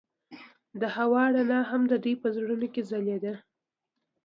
د هوا رڼا هم د دوی په زړونو کې ځلېده.